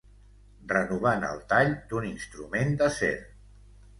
Renovant el tall d'un instrument d'acer.